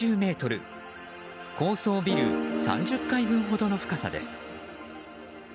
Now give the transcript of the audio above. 高層ビル３０階分ほどの深さです。